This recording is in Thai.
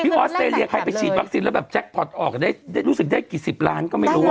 ออสเตรเลียใครไปฉีดวัคซีนแล้วแบบแจ็คพอร์ตออกได้รู้สึกได้กี่สิบล้านก็ไม่รู้